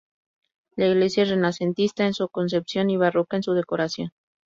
La iglesia es renacentista en su concepción y barroca en su decoración.